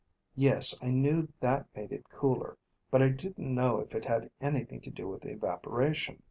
"Yes, I knew that made it cooler, but I didn't know it had anything to do with evaporation.